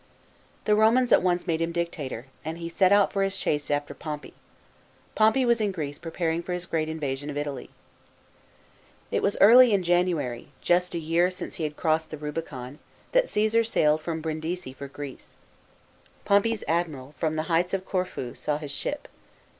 The Romans at once made him Dictator, and he set out for his chase after Pompey. Pompey was in Greece preparing for his great invasion of Italy. B.C. 48.] (LESAK PURSUES POMPEY. 187 i It was earjy in January, just a year since he had crossed the Rubicon, that .Caesar sailed from Brindisi for Greece. Pompey's admiral, from the heights of Corfu, saw his ship.